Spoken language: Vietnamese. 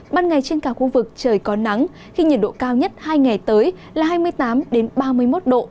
ban ngày trên cả khu vực trời có nắng khi nhiệt độ cao nhất hai ngày tới là hai mươi tám ba mươi một độ